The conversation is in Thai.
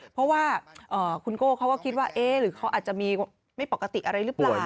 เพราะว่าคุณโก้เขาก็คิดว่าเอ๊ะหรือเขาอาจจะมีไม่ปกติอะไรหรือเปล่า